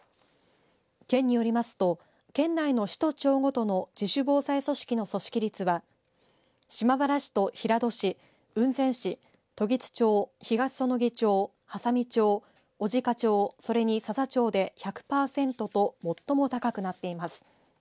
県によりますと、県内の市と町ごとの自主防災組織の組織率は島原市と平戸市雲仙市、時津町東彼杵町、波佐見町小値賀町、それに佐々町で１００パーセントと最も高くなっています。